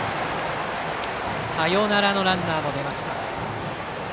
サヨナラのランナーが出ました。